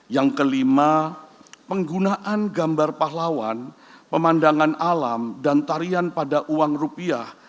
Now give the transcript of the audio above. yang kelima penggunaan gambar pahlawan pemandangan alam dan tarian pada uang rupiah